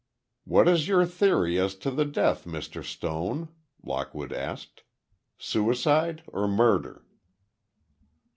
"What is your theory as to the death, Mr. Stone," Lockwood asked. "Suicide or murder?"